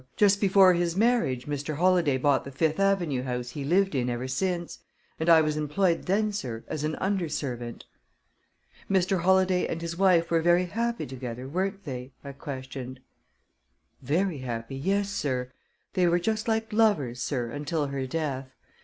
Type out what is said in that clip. Just before his marriage, Mr. Holladay bought the Fifth Avenue house he lived in ever since, and I was employed, then, sir, as an under servant." "Mr. Holladay and his wife were very happy together, weren't they?" I questioned. "Very happy; yes, sir. They were just like lovers, sir, until her death.